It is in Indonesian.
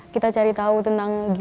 kita cari tahu tentang